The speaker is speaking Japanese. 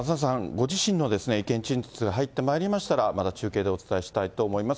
ご自身の意見陳述が入ってまいりましたら、また中継でお伝えしたいと思います。